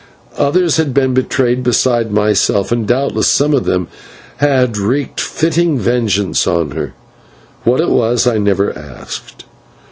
Others had been betrayed besides myself, and doubtless some of them had wreaked fitting vengeance on her. What it was I never asked.